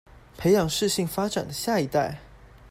培養適性發展的下一代